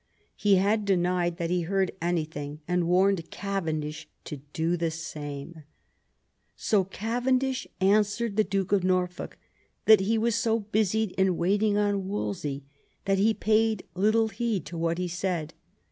'' He had denied that he heard anything, and warned Cavendish to do the sama So Cavendish answered the Duke of Norfolk that he was so busied in waiting on Wolsey that he paid little heed to what he said.